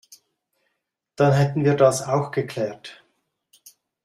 Dann hätten wir das auch geklärt.